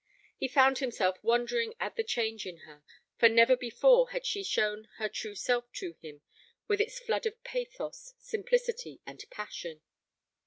He found himself wondering at the change in her, for never before had she shown her true self to him with its flood of pathos, simplicity, and passion.